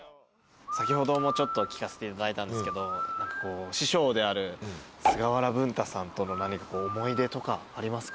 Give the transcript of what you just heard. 先ほどもちょっと聞かせていただいたんですけど師匠である菅原文太さんとの思い出とかありますか？